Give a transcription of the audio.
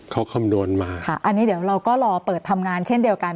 เขาคำนวณมาค่ะอันนี้เดี๋ยวเราก็รอเปิดทำงานเช่นเดียวกัน